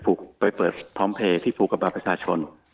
ไปเปิดพร้อมเพลย์ที่ผูกกับบัตรประชาชน